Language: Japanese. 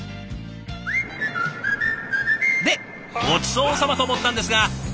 で「ごちそうさま！」と思ったんですがサラメシ延長戦！